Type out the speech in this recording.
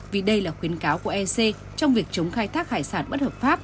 vì đây là khuyến cáo của ec trong việc chống khai thác hải sản bất hợp pháp